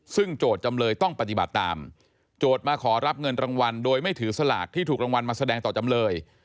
ซึ่งโจทย์จำเลยต้องปฏิบัติตามโจทย์มาขอรับเงินรางวัลโดยไม่ถือสลากที่ถูกรางวัลมาแสดงต่อจำเลย